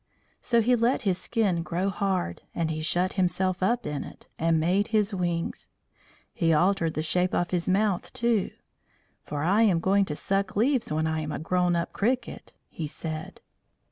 So he let his skin grow hard, and he shut himself up in it, and made his wings. He altered the shape of his mouth, too. "For I am going to suck leaves when I am a grown up cricket," he said.